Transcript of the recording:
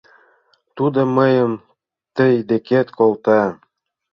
Тудо мыйым тый декет колта.